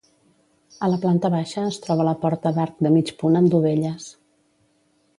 A la planta baixa es troba la porta d'arc de mig punt amb dovelles.